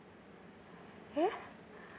えっ？